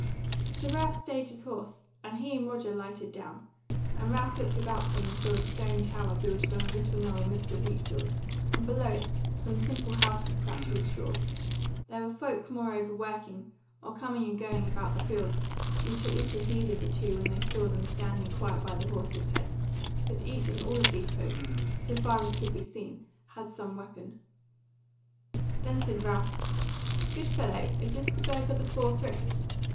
So Ralph stayed his horse, and he and Roger lighted down, and Ralph looked about him and saw a stone tower builded on a little knoll amidst a wheatfield, and below it some simple houses thatched with straw; there were folk moreover working, or coming and going about the fields, who took little heed of the two when they saw them standing quiet by the horse's head; but each and all of these folk, so far as could be seen, had some weapon. Then said Ralph: "Good fellow, is this the Burg of the Four Friths?"